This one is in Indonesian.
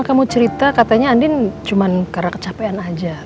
kamu cerita katanya anin cuman karena kecapean aja